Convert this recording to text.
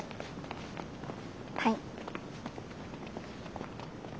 はい。